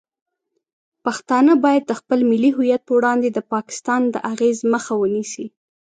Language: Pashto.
پښتانه باید د خپل ملي هویت په وړاندې د پاکستان د اغیز مخه ونیسي.